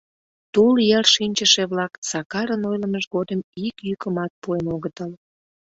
Тул йыр шинчыше-влак Сакарын ойлымыж годым ик йӱкымат пуэн огытыл.